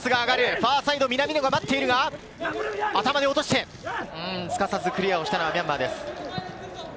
ファーサイド南野が待っているが、頭で落として、すかさずクリアをしたのはミャンマーです。